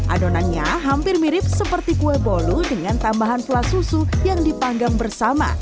adonannya hampir mirip seperti kue bolu dengan tambahan flat susu yang dipanggang bersama